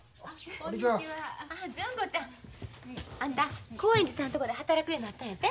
あ純子ちゃん。あんた興園寺さんとこで働くようになったんやて？